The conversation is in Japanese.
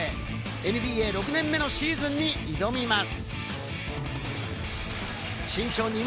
ＮＢＡ６年目のシーズンに挑みます。